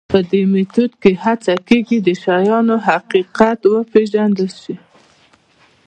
په دې میتود کې هڅه کېږي د شیانو حقیقت وپېژندل شي.